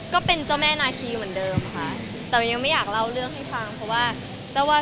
ก็เป็นเจ้าแม่นาคีเหมือนเดิมค่ะแต่มันยังไม่อยากเล่าเรื่องให้ฟังเพราะว่าเจ้าว่า